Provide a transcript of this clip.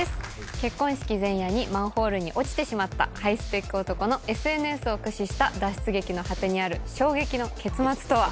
結婚式前夜にマンホールに落ちてしまったハイスペック男のＳＮＳを駆使した脱出劇の果てにある衝撃の結末とは？